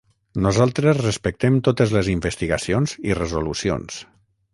Nosaltres respectem totes les investigacions i resolucions.